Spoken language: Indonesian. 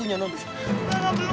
independen ngerti nggak udah